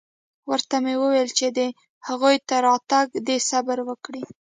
ورته مې وويل چې د هغوى تر راتگه دې صبر وکړي.